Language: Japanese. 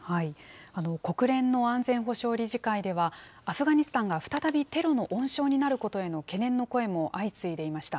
国連の安全保障理事会では、アフガニスタンが再びテロの温床になることへの懸念の声も相次いでいました。